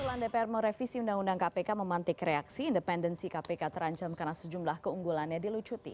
usulan dpr merevisi undang undang kpk memantik reaksi independensi kpk terancam karena sejumlah keunggulannya dilucuti